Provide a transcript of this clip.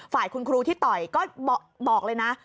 ฝ่ายคุณครูที่ต่อยก็บอกเลยนะ